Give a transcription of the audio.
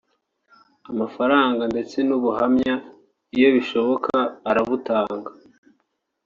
amafaranga ndetse n’ubuhamya iyo bishoboka arabutanga